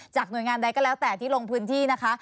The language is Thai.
หน่วยงานใดก็แล้วแต่ที่ลงพื้นที่นะคะ